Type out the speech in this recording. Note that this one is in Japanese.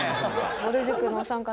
ぼる塾のお三方